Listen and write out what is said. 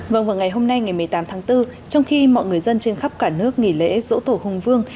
vâng vào ngày hôm nay ngày một mươi tám tháng bốn trong khi mọi người dân trên khắp cả nước nghỉ lễ dỗ tổ hùng vương